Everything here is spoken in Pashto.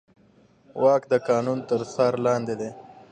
واک د قانون تر څار لاندې دی.